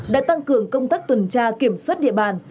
đã tăng cường công tác tuần tra kiểm soát địa bàn